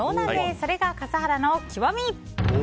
それが笠原の極み。